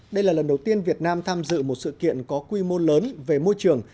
đây là lần đầu tiên việt nam tham dự một sự kiện có quy mô lớn về môi trường